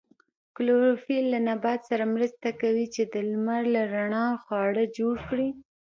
کلوروفیل له نبات سره مرسته کوي چې د لمر له رڼا خواړه جوړ کړي